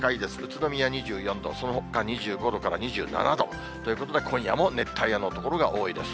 宇都宮２４度、そのほか２５度から２７度。ということで、今夜も熱帯夜の所が多いです。